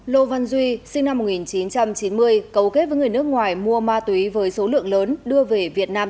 lô văn duy sinh năm một nghìn chín trăm chín mươi cấu kết với người nước ngoài mua ma túy với số lượng lớn đưa về việt nam